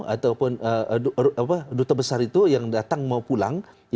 ataupun duta besar itu yang datang mau pulang